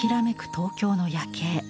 東京の夜景。